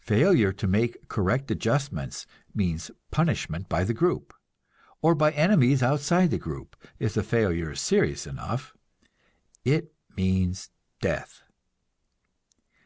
Failure to make correct adjustments means punishment by the group, or by enemies outside the group; if the failure is serious enough, it means death.